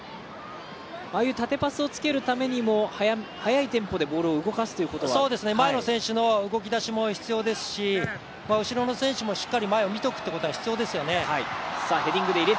ああいう縦パスをつけるためにも速いテンポでボールを動かすということは前の選手の動き出しも必要ですし後ろの選手もしっかり前を見ておくことは必要ですよね。